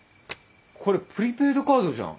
これプリペイドカードじゃん。